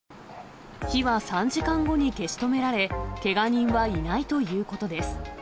火は３時間後に消し止められ、けが人はいないということです。